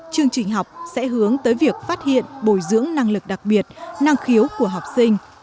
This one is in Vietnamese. chương trình học sẽ hướng tới việc phát hiện bồi dưỡng năng lực đặc biệt năng khiếu của học sinh